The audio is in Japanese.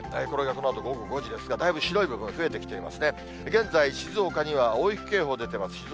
これがこのあと午後５時ですが、だいぶ白い部分、増えてきていますね、現在静岡、大雪警報が出ています。